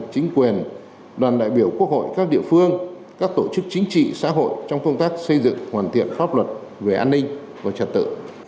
chính quyền đoàn đại biểu quốc hội các địa phương các tổ chức chính trị xã hội trong công tác xây dựng hoàn thiện pháp luật về an ninh và trật tự